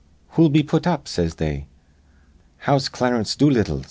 'Who'll we put up?' says they. 'How's Clarence Doolittle?'